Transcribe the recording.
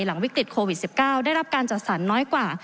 หลังวิกฤตโควิด๑๙ได้รับการจัดสรรน้อยกว่า